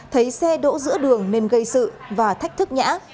thấy xe đỗ giữa đường nên gây sự và thách thức nhã